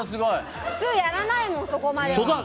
普通やらないもん、そこまでは。